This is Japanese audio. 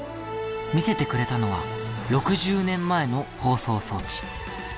見せてくれたのは６０年前の放送装置。